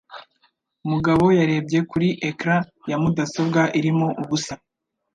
Mugabo yarebye kuri ecran ya mudasobwa irimo ubusa.